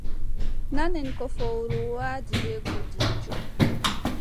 Nanen ko fowru waadi bee gudiijo.